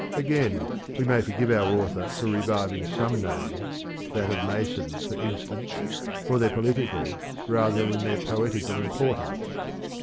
Again, we may forgive our author for reviving some names, that of Mason, for instance, for their political rather than their poetical importance.